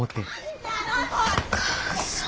お母さん。